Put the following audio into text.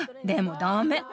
でもダメ。